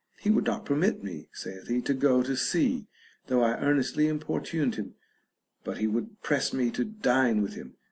He would not permit me, saith he, to go to sea, though I earnestly importuned him, but he would press me to dine with him.